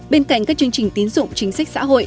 bên cạnh các chương trình tín dụng chính sách xã hội